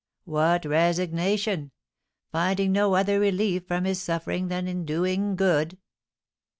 What resignation! Finding no other relief from his suffering than in doing good!"